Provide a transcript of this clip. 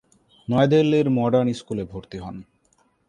নয়াদিল্লির মডার্ন স্কুলে ভর্তি হন।